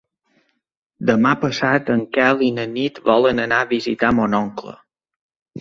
Demà passat en Quel i na Nit volen anar a visitar mon oncle.